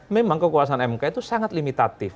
memang kekuasaan mk itu sangat limitatif